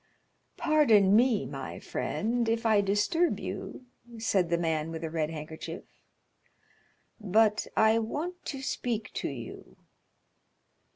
"Pardon me, my friend, if I disturb you," said the man with the red handkerchief, "but I want to speak to you."